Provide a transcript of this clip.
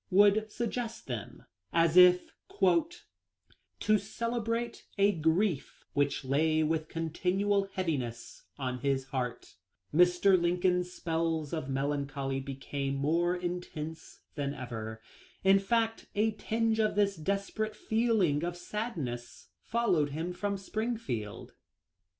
1 41 would suggest them, as if " to celebrate a grief which lay with continual heaviness on his heart." There is no question that from this time forward Mr. Lincoln's spells of melancholy became more intense than ever. In fact a tinge of this desper ate feeling of sadness followed him to Springfield.